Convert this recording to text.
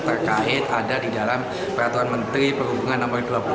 terkait ada di dalam peraturan menteri perhubungan nomor dua puluh